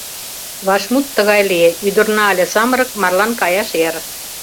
Вашмут тыгай лие: ӱдырна але самырык, марлан каяш эр.